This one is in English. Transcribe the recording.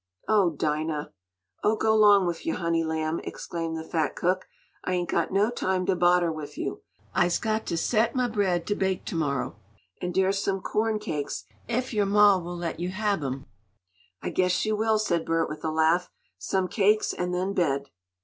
Oh, Dinah!" "Oh, go long wif yo', honey lamb!" exclaimed the fat cook. "I ain't got no time t' bodder wif you'. I'se got t' set mah bread t' bake t'morrow. An' dere's some corn cakes, ef yo' ma will let yo' hab 'em." "I guess she will," said Bert, with a laugh. "Some cakes and then bed."